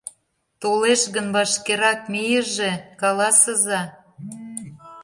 Толеш гын, вашкерак мийыже, каласыза!